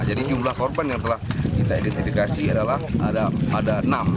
jumlah korban yang telah kita identifikasi adalah ada enam